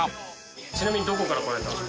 ちなみにどこから来られたんですか？